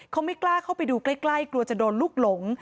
เขาไม่กล้าเข้าไปดูใกล้กลัวจะโดนลูกหลง